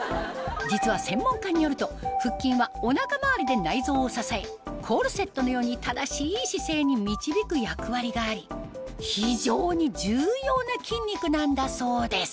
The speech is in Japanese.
実は専門家によると腹筋はお腹周りで内臓を支えコルセットのように正しい姿勢に導く役割があり非常に重要な筋肉なんだそうです